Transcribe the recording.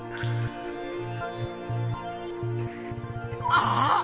あっ！